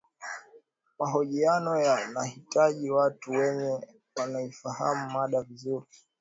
mahojiano yanahitaji watu wenye wanaoifahamu mada vizuri